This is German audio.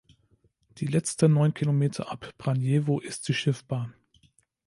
Die letzten neun Kilometer ab Braniewo ist sie schiffbar.